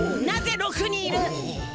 なぜ６人いる？